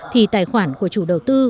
thì tài khoản của chủ đầu tư